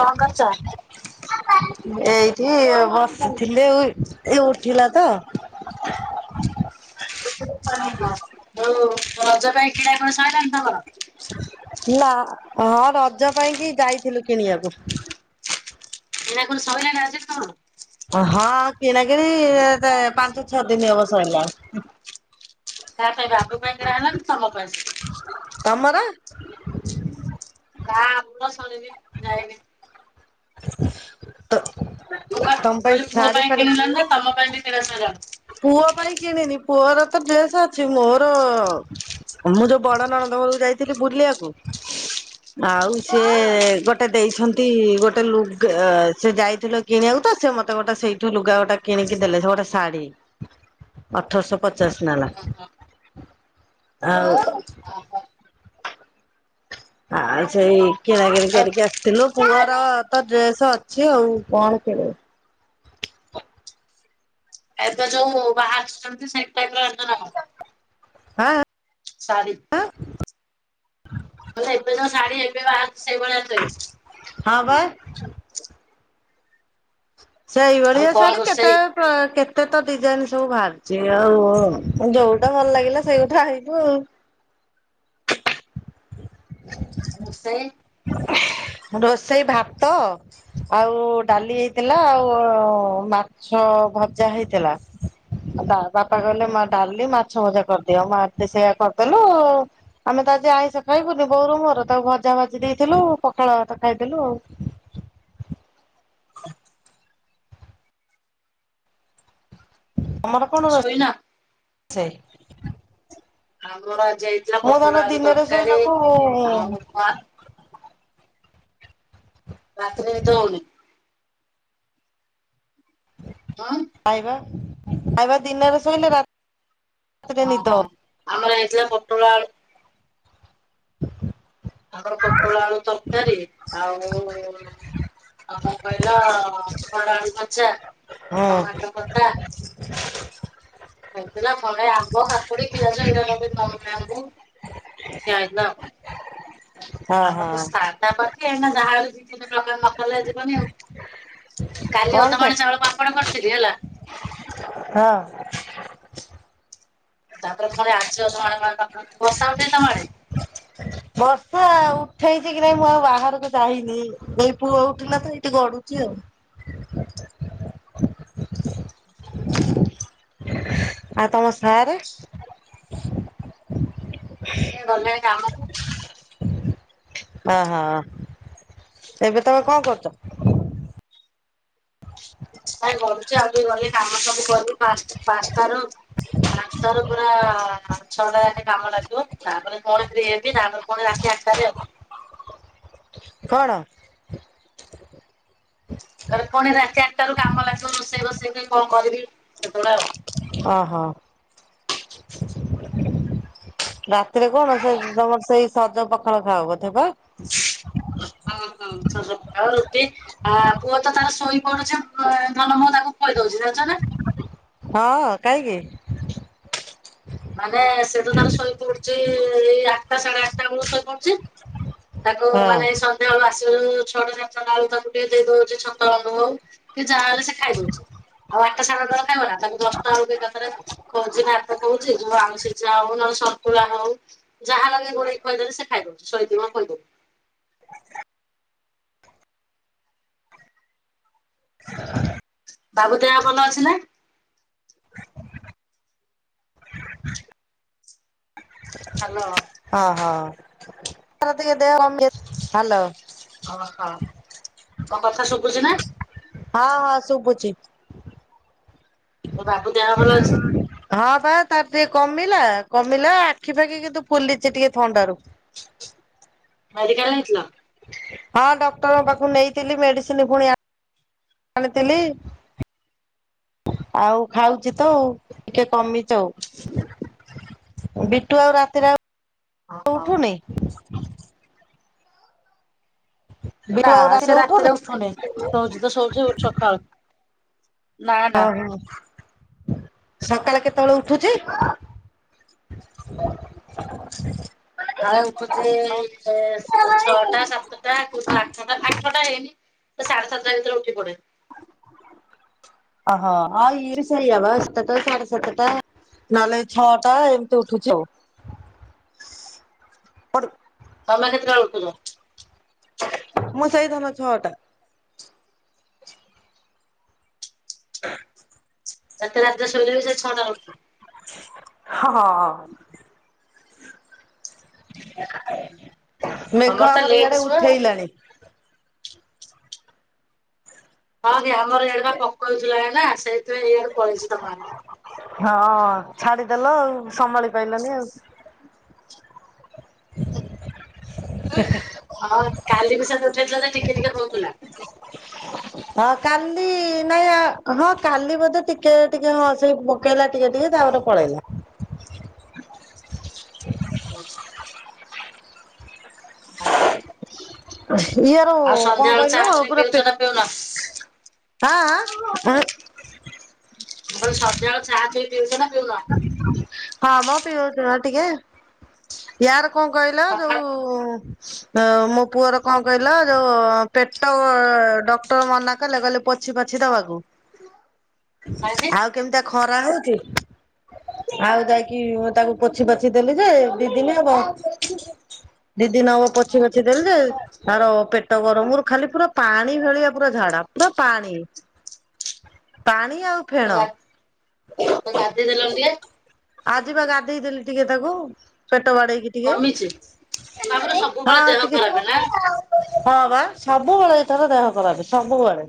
କଣ କରୁଚ? କି ବସିଥିଲେ ଉ ଇ ଏଇ ଉଠିଲା ତ। ଅହ ଯୋଉ ରଜ ପାଇଁ କିଣା କୁଣି ସଇଲାଣି ତମର? ନା ହଁ ରଜ ପାଇଁ କି ଯାଇଥିଲୁ କିଣିବାକୁ। କିଣା କୁଣି ସଇଲାନା ଆଜିଠୁ ତମର? ହଁ କିଣା କିିଣି ଏ-ତେ ପାଞ୍ଚ ଛଅ ଦିନ ହବ ସରିଲାଣି। ତା ପାଇଁ ବାବୁ ପାଇଁ କିଣାହେଲା ନା ତମ ପାଇଁ। ତମର ନା ଆମର ସରିନି ଯାଇନି। ତ ମୁଁ କହିଲି ପୁଅ ପାଇଁ କିଣିଲଣି ନା ତମ ପାଇଁ ବି କିଣା ସଇଲାଣି। ପୁଅ ପାଇଁ କିଣିନି ପୁଅର ତ ଡ୍ରେସେ ଅଛି ମୋର ମୁଁ ଯୋଉ ବଡ ନଣନ୍ଦ ଘରକୁ ଯାଇଥିଲି ବୁଲିଆକୁ ଆଉ ସେ ହଁ ଗୋଟେ ଦେଇଛନ୍ କି ଗୋଟେ ଲୁଗା ସେ ଯାଇଥିଲ କିଣିବାକୁ ତ ସେ ମତେ ଗୋଟେ ସେଇଠୁ ଲୁଗା ଗୋଟେ କିଣିକି ଦେଲେ ସେ ଗୋଟେ ଶାଢୀ। ଅଠରଶ ପଚାଶ ନେଲା ଆଉ ଓହୋ ଆ ସେଇ କିଣାକିଣି ଏ କରିକି ଆସିଥିଲୁ। ଏ ପୁଅର ତ ଡ୍ରେସ ଅଛି ଆଉ କଣ କିଣୁବୁ? ଏବେ ଯୋଉ ବାହାରୁଛନ୍ତି ସେଇ ଟାଇପର ଆଣିଛ ନା କଣ? ଆଁ। ସାରି। [unintelligible] ହଁ ଏବେ ଯୋଉ ଶାଢୀ ଏବେ ବାହାରଚି ସେଇଭଳିଆ ଚାଲଛି। ହଁ ବା। ଆଉ ସେଇଭଳିଆ କଣ ଶାଢ଼ୀ କେତେ ରୋଷେଇ? ପ କେ ଏତେ ତ ଡିଜାଇନ ସବୁ ବାହାରିଚି ଆଉ ଯୋଉଟା ଭଲ ଲାଗିଲା ସେଇଟା ଆଣିବୁ ଆଉ। ସେଇ ରୋଷେଇ ଭାତ ଆଉ ଡାଲି ହେଇଥିଲା ଆଉ ମାଛ ଭଜା ହେଇଥିଲା ବାପା କହିଲେ ମା ଡାଲି ମାଛ ଭଜା କରିଦିଅ ମା ସେଇଆ କରିଦେଲୁ ଆମେ ତା ଆଜି ଆଇଁସ ଖାଇବୁ ବୋଉ ର ମୋର ତାକୁ ଭଜା ଭାଜି ଦେଇଥିଲୁ ପଖାଳ ଭାତ ଖାଇଥିଲୁ ଆଉ। [unintelligible] ତମର କଣ? ଶୋଇନ? ସେ। ଆମର ଆଜି ଯାଇଥିଲା ପଟୋଳ ଆଳୁ ଦିନରେ ତରକାରୀ ଶୋଇଲାକୁ ଆଉ ରାତରେ ନିଦ ହେଉନି। ହଁ ପାଇବା। ଏଇବା ଦିନରେ ଶୋଇଲେ ରାତି ହଁ ହଁ ଆମର ଆଜି ଥିଲା ପୋଟଳ ଆଳୁ ଆମର ପୋଟଳ ଆଳୁ ତରକାରୀ ଆଉ ଆ କ କହିଲେ ଥିଲ ମର ଆଲୁ ଭଜା ହୁଁ ଟମାଟୋ ଖଟା। [unintelligible] ହେଇଥିଲା ଘରେ ଆମ୍ବ କା କାକୁଡି ପିଆଜ ଏଗୁରା ସବୁ ନ ଲେମ୍ବୁ ଖିଆ ହେଇଥିଲା ହଁ ଆଉ। ଆମେ ତ ହଁ ସାଟା ପତି ଏ ଜାଡ ଦେ [inaudible] ଯିବନି ଆଉ। କାଲି କଣ ପାଇଁ ଅଧମାଣ ଚାଉଳ ପାମ୍ପଡ କରଥିଲି। [unintelligible] ହେଲା। ହଁ। ତାପରେ ଥରେ ଆଛ ବର୍ଷା ଉଠେଇଚି ତମଆଡେ। ବର୍ଷା ଉଠେଇଛି କି ନାଇଁ ମୁଁ ଆଉ ବାହାରକୁ ଯାଇନି, ଏଇ ପୁଅ ଉଠିଲ ତ ଏଇଠି ଗଡୁଛି ଆଉ। ଆଉ ତମ ସାରେ। ସେ ଗଲେ କାମ ଅହ ଏବେ ତମେ କଣ କରୁଛ? ଗଡୁଛି ଆଉ ଗଲେ କାମ ସବୁ କରିବି ପାଞ୍ଚ ପାଞ୍ଚଟ ର ପାଞ୍ଚଟ ର ପୁରା ଛଅଟା ଯା କାମ ଲାଗିବ ତାପରେ କଣ ଫ୍ରି ହେବି ତାପରେ କଣ ଏ ପୁଣି ରାତି ଆଠଟାରେ ଆଉ। କଣ? ତାଲେ କଣ ରାତି ଆଠଟା ରୁ କାମ ଲାଗିବ ରୋଷେଇ ରୋଷେଇ କଣ କରିବି ସେତେବେଳେ ଆଉ। ଓହୋ ରାତିରେ କଣ ସେ ତମର ସେଇ ସଜ ପଖାଳ ଖାଅ ବୋଧେ ବା ହଁ [unintelligible] ହଁ ସଜ ପଖାଳ ରୁଟି ଆ ପୁଅ ତ ତାର ଶୋଇ ପଡୁଛ ଧନ ମୁହୁ ତାକୁ କହି ଦଉଛି ଜଣିଛ ନା। ହଁ କାହିଁକି? ମାନେ ସେଟା ତାର ଶୋଇ ପଡୁଛି ଏଇ ଆଠଟା ସାଢେ ଆଠଟା ବେଳ ଶୋଇ ପଡୁଛି। ତାକୁ ହଁ ମାନେ ସନ୍ଧ୍ୟାବେଳୁ ଆସିଲୁ ଛଟା ସାତଟା ବେଳକୁ ତାଙ୍କୁ ଟିକେ ଦେଇ ଦଉଛି ଛତ [unintelligible] ହଉ ଟିକେ ଯାହାହେଲେ ସେ ଖାଇ ଦଉଛି ଆଉ ଆଠଟା ସାଢେ ଆଠଟା ବେଳକୁ ଖାଇବନା ତାକୁ ଦଶଟା ବେଳକୁ ଏକାଥରେ ଖୋଉଛି ଭାତ ହଉଛି ଆଳୁ ସିଝା ହଉ ନହେଲେ ଶନ୍ତୁଳା ହଉ ଯାହା ଲାଗେ ଗୋଳେଇକି ଖୋଇଦେଲେ ସେ ଖାଇଦଉଛି ଶୋଇଥିବ ଖୋଇଦେବି। ବାବୁ ଦେହ ଭଲ ଅଛି ନା? ହାଲୋ ହଁ ହଁ। ଟେ ଦେହ ଭଲ [inaudible] ହ୍ୟାଲୋ ଓହ ମୋ କଥା ଶୁଭୁଛି ନା। ହଁ ହଁ ଶୁଭୁଛିି। ମୋ ବାବୁ ଦେହ ଭଲ ଅଛି। ହଁ ବା ତାର ଟିକେ କମିଲା କମିଲା ଆଖି ଫାଖି କିନ୍ତୁ ଫୁଲିଛି ଟିକେ ଥଣ୍ଡାରୁ। ମେଡିକାଲ ନେଇଥିଲ। ହଁ ଡକ୍ଟରଙ୍କ ପାଖକୁ ନେଇଥିଲି ମେଡିସିନ ପୁଣି ଆଣିଥିଲି ଆଉ ଖାଉଛି ତ ଟିକେ କମିଛି ଆଉ। ବିଟୁ ଆଉ ରାତିରେ ଆଉ ଓହୋ ଉଠୁ ନାହିଁ [inaudible] ନା ସେ ରାତିରେ ଉଠୁନି ଶୋଉଛି ତ ଶୋଉଛି ଉଠୁଛି ସକାଳୁ। ନା ଓ ନା ହୋ। ସକାଳେ କେତେବେଳେ ଉଠୁଛି? ଆଉ ଉଠୁଛି ଛଅଟା ସାତଟା ଆଠଟା ଆଠଟା ହେଇନି ସାଢେ ସାତଟା ଭିତରେ ଉଠି ପଡେ। ଓହୋ ଆଉ ଇଏ ବି ସେୟାପା ସାତଟା ସାଢେ ସାତଟା ନହେଲେ ଛଅଟା ଏମିତି ଉଠୁଛି ଆଉ। ତମେ କେତେବେଳେ ଉଠୁଛ? ମୁଁ ସେଇ ସାଢେ ଛଅଟା [unintelligible] ଯେତେ ରାତିରେ ଶୋଇଲେବି ସେ ଛଅଟାରେ ଉଠୁଛ। ହଁ। ତମର ମେଘ ତ ଆମର ଲେଟ୍ ଇଆଡେ ଶୁଅ ଉଠେଇଲାଣି। ହଁ। ଆମର ଇଆଡ଼େ ପକଉଥିଲା। ନା ସେଇଥିପାଇଁ ଇଆଡ଼େ ପଳେଇଛି ତମ ଆଡେ ହଁ ଛାଡିଦେଲ ଆଉ। ସମ୍ଭାଳି ପାଇଲନି ଆଉ। ହଁ କାଲି ବି ସେତ ଉଠେଇ ଥିଲା ଯେ ଟିକେ ଟିକେ ହଉ ଥୁଲା। ହଁ କାଲି ନାଇଁ ହଁ କାଲି ବୋଧେ ଟିକେ ଟିକେ ହଁ ସେଇ ପକେଇଲା ଟିକେ ଟିକେ ତାପରେ ପଳେଇଲା? [unintelligible] ଆଉ ଇଏର କଣ ସନ୍ଧ୍ୟାବେଳେ ଚା କହିଲ ଚୁଇ ପୁରା ପିଉଛ ପେ ନା ପିଉନ? ଆଁ ଆଉ ସଂନ୍ଧ୍ୟା ବେଳ ଚାହା ପି ପିଉ ଚ ନା ପିଉନ? ହଁ ମ ପିଉଚୁ ନା ଟିକେ ୟାର କଣ କହିଲ ସକାଳୁ ଯୋଉ ମୋ ପୁଅର କଣ କହିଲ ଯୋଉ ପେଟ ଡକ୍ଟର ମନା କଲେ କହିଲେ ପୋଛି ପାଛି ଦବାକୁ। ଆଉ କେମିତିଆ ଖ ଖରା ହଉଛି। ଆଉ ଯାଇକି ତାକୁ ପୋଛି ପାଛି ଦେଲି ଯେ ଦି ଦିନ ହବ ଦିଦି ହବ ପୋଛି ପାଛି ଦେଲି ଯେ ତାର ପେଟ ଗରମରୁ ଖାଲି ପୁରା ପାଣି ଭଳିଆ ପୁରା ଝାଡା ପୁରା ପାଣି ପାଣି। ଆଉ ଫେଣ ତ ଗା ତାକୁ ଗାଧେଇ ଦେଲନି ଟିକେ ଆଜିିବା ଗାଧେଇ ଦେଲି ଟିକେ ତାକୁ ପେଟ ଟ ବାଡେଇକି କମିଛି। ଟିକେ ବାବାରେ ସବୁବେଳେ ହଁ ଦେହ ଟିକେ ଖରାପ ନା। ହଁ ବା ସବୁବେଳେ ଏଥର ଦେହ ଖରାପ ସବୁବେଳେ।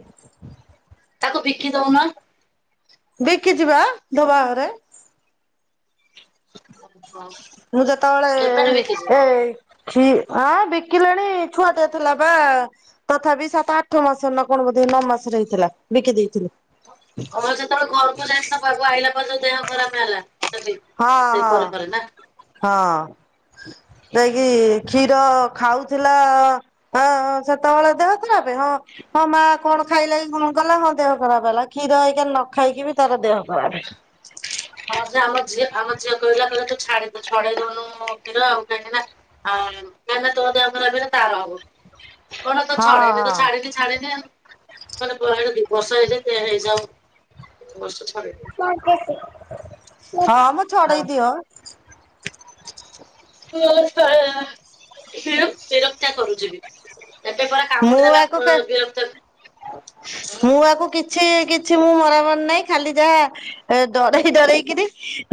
ତାକୁ ବିକି ଦଉନ। ବିକିଚି ବା ଧୋବାଘରେ। ହଁ ମୁଁ ଯେତେବେଳେ କେବେଠୁ ବିକିଛୁ? ଏଇ ଛି ଆଁ ବିକିଲେଣି ଛୁଆଟେ ଥେଲା ବା ତଥାପି ସାତ ଆଠ ମାସ ନା କଣ ବୋଧେ ନଅ ମାସରେ ହେଇଥିଲା ବିକି ଦେଇଥିଲି। ଓହୋ ଯେତବେଳେ ଘରକୁ ଯାଇଥିଲା ଘରୁ ଆଇଲା ପରେ ଯୋଉ ଦେହ ଖରାପ ହେଲା। ସେଠି ସେ ହଁ ପରେ ପରେ ନା ହଁ ହଁ। ଯାଇକି କ୍ଷୀର ଖାଉଥିଲା ହଁ ସେତେବେଳେ ଦେହ ଖରାପ ହଁ ହଁ ମା କଣ ଖାଇଲା କି କଣ କଲା ହଁ ଦେହ ଖରାପ ହେଲା କ୍ଷୀର ଏଇଖୀ ନ ଖାଇକି ବି ତାର ଦେହ ଖରାପେ। ହଁ ସେ ଆମ ଝିଅ ଆମ ଝିଅ କହିଲା କହିଲେ ତୁ ଛା ଛଡେଇ ଦଉନୁ କ୍ଷୀର ଆଉ କାହିଁକି ନା କାହିଁକି ନା ତୋ ଦେହ ଖରାପ ହେଲେ ତାର ହବ। କଣ ତ ହଁ ଛଡେଇନି ତ ଛାଡ଼ିନି ଛାଡ଼ିନି ଆଉ। ମାନେ କଡେ ଦି ବର୍ଷ ହେଇଯାଇ ହେଇଯାଉ [unintelligible] [unintelligible] [inaudible] ହଁ ମୁଁ ଛଡେଇ ଆଉ ଦିଅ [inaudible] ହ ବିରକ୍ ବିରକ୍ତିଆ କରୁଛି ବି ଏବେ ପରା ମୁଁ କାମୁଡି ଦେଲା ୟାକୁ କେ ମୁଁ ୟାକୁ କିଛି କିଛି ମୁଁ ମରମରି ନାହିଁ ଖାଲି ଯାହା ଏ ଡରେଇ ଡରେଇକିରି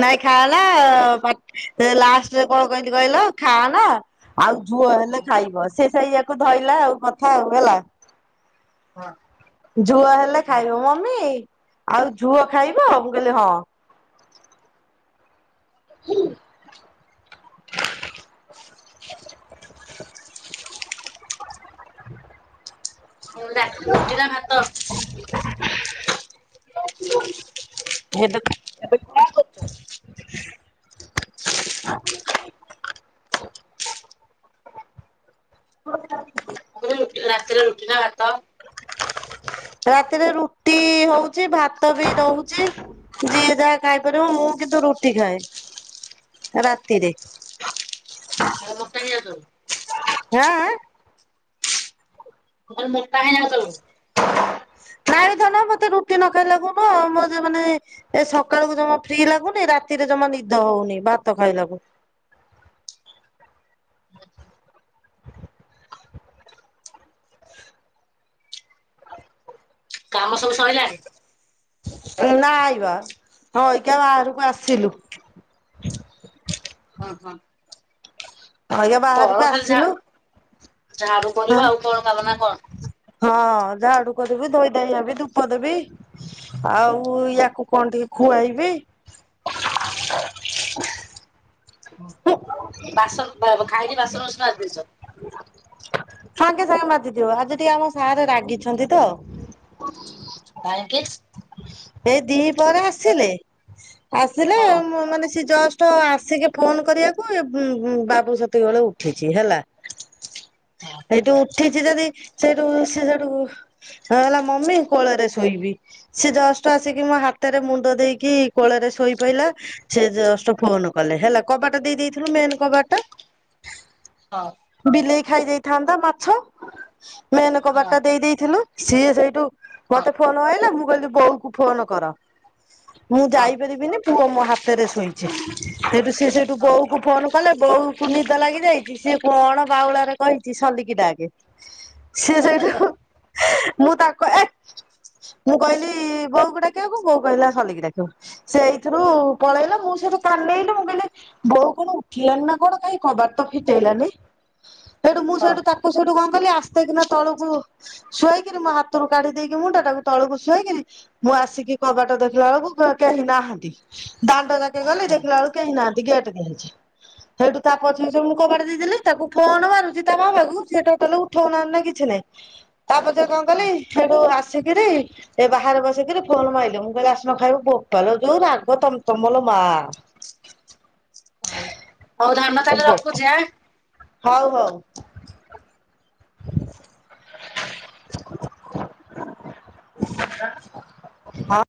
ନାଇଁ ଖାଲା ପା ଲାଷ୍ଟରେ କଣ କହିଲି କହିଲ ଖାଆଲା ଆଉ ଝୁଅ ହେଲେ ବିରକ୍ତ ଖାଇବସ୍ ସେ ସେଇୟାକୁ ଧଇଲା ଆଉ ମ ଥାଉ ହେଲା। ହଁ। ଝୁଅ ହେଲେ ଖାଇବ ମମି ଆଉ ଝୁଅ ଖାଇବ? ମୁଁ କହିଲି ହଁ। ହୁଁ? କଣ ରାତିରେ ରୁଟି ନାଁ ଭାତ? ଏବେ ଖା କରୁଚ? ମୁଁ କହିଲି ରାତିରେ ରୁଟି ନାଁ ଭାତ? ରାତିରେ ରୁଟି ହଉଚି ଭାତ ବି ରହୁଚି ଯିଏ ଯାହା ଖାଇପାରିବ ମୁଁ କିନ୍ତୁ ରୁଟି ଖାଏ ରାତିରେ। ସେଇଆ ତ। ଆଁ ଆଁ? ମୁଁ କହିନି ମ ଟା ହେଇ ନହଁ ତମେ? ନାଇଁ ଧନ ମତେ ରୁଟି ନ ଖାଇଲାକୁ ନୁହଁ ମୋ ଯେ ମାନେ ଏ ସକାଳୁକୁ ଜମା ଫ୍ରି ଲାଗୁନି ରାତିରେ ଜମା ନିଦ ହଉନେଇ ଭାତ ଖାଇଲାକୁ। କାମ ସବୁ ସଇଲାଣି? ନାଇଁ ବା ଆଇକା ବାହାରୁକୁ ଆସିଲୁ। ହଁ ହଁ ଆଜ୍ଞା ବାହାରୁକୁ କଣ ଖାଲି ଝା ଆସିଲୁ। ଝାଡୁ ହଁ କରିବ ଆଉ କଣ କାମ ନା କଣ ହଁ ଝା କରିବି ଧୋଇ ଧାଇ ହେବି ଧୂପ ଦେବି। ଆଉ ହୁଁ ୟାକୁ କଣ ଟିକେ ଖୁଆଇବି। ବାସନ ବା ଖାଇ ଆଇକି ବାସନ ମାସନ ମାଜି ଦେଇଚ। ସାଙ୍ଗେ ସାଙ୍ଗେ ମାଜିଥିବ ଆଜି ଟିକେ ଆମ ସାରେ ରାଗିଛନ୍ତି ତ। କାହିଁକି ଏଇ ଦିହି ପହରେ ଆସିଲେ ଆସିଲେ ହଁ ମୁଁ ମାନେ ସିଏ ଜଷ୍ଟ ତ ଆସିକି ଫୋନ କରିବାକୁ ଏ ଉଁ ଉଁ ବାବୁ ସେତିକି ବେଳେ ଉଠିଚି ହେଲା। ହଁ ହେଇଟୁ ଠିଚି ଯଦି ସେଇଠୁ ସିଏ ସେଠୁ ଅ ହେଲା ମମି କୋଳରେ ଶୋଇବି। ସିଏ ଜଷ୍ ଟ ଆସିକି ମୋ ହାତରେ ମୁଣ୍ଡ ଦେଇକି କୋଳରେ ଶୋଇପଇଲା ସିଏ ଜଷ୍ଟ ଫୋନ କଲେ ହେଲା କବାଟ ଦେଇ ଦେଇଥିଲୁ ମେନ୍ କବାଟଟା ହଁ ବିଲେଇ ଖାଇ ଯାଇଥାନ୍ତା ମାଛ। ମେନ ହଁ କବାଟ ଟା ଦେଇ ଦେଇଥିଲୁ। ସିଏ ସେଇଠୁ ହଁ ମତେ ଫୋନ କହିଲା ମୁଁ କହିଲି ବୋଉ କୁ ଫୋନ କର। ମୁଁ ହଁ ଯାଇପାରିବିନି ପୁଅ ମୋ ହାତ ହାତରେ ଶୋଇଛି ସେଠୁ ସେ ସେଇଠୁ ହଁ ବୋଉ କୁ ଫୋନ କଲେ ବୋଉକୁୁ ନିଦ ଲାଗି ଯାଇଛି ସଏ କଣ ବାଉଳାରେ କହିଛି ସଲିକି ଡ଼ାକେ ସିଏ ସେଇଠୁ ମୁଁ ତାକୁ ଏ ମୁଁ କହିଲି ବଉ କୁ ଡାକିଆକୁ ବୋଉ କହିଲା ସଲିକି ଡାକିବ ସେ ଏଇଥିରୁ ପଳେଇଲା ମୁଁ ସେଇଠୁ କାନେଇଲି ମୁଁ କହିଲି ବୋଉ କଣ ଉଠିଲାନି ନା କଣ କାଇଁ କବାଟ ତ ଫିଟେଇଲାନି। ସେଇଠୁ ମୁଁ ହଁ ସେଠୁ ତାକୁ ସେଠୁ କଁ କଲି ଆସ୍ତେକିନା ତଳକୁ ଶୁଆଇକିରି ମୋ ହାତରୁ କାଢି ଦେଇକି ମୁଣ୍ଡା ଟାକୁ ତଳକୁ ଶୁଆଇକିରି ମୁଁ ଆସିକି କବାଟ ଦେଖିଲା ବେଳକୁ କେହି ନାହାନ୍ତି ଦାଣ୍ଡ ଯାକ କେ ଗଲି ଦେଖିଲା ହଁ ବେଳକୁ କେହି ନାହାନ୍ତି ଗେଟ କବାଟ ଦିଆହେଇଚି ସେଇଠୁ ତା ପଛେ ଅଛେ ମୁଁ କବାଡ ଦେଇଦେଲି ତାକୁ ଫୋନ ମାରୁଚି ତା ବାବାକୁ ସେ ଉଠଉନାହାନ୍ତି ନା କିଛି ନାଇଁ। ତା ପଛରେ କଣ କଲି ସେଠୁ ଆ ସିକିରି ଏ ବାହାରେ ବସ କିରି ଫୋନ ମାଇଲି ମୁଁ କହିଲ ଆସୁନ ଖାଇବ ବୋପାଲୋ ଯୋଉ ରାଗ ତମ ତମ ଲୋ ମା। ହଉ ହଉ ଧନ ତାହେଲେ ରଖୁଚି ଆଁ? ହଉ ହଉ। ହଁ।